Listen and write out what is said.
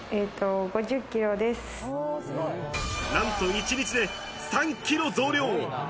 なんと１日で３キロ増量。